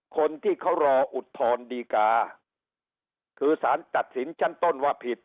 คนที่เขารออุทธรณ์ดีกาคือสารตัดสินชั้นต้นว่าผิด